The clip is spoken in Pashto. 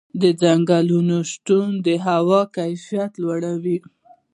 د ځنګلونو شتون د هوا کیفیت لوړوي.